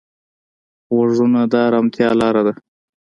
غوږونه د ارامتیا لاره ده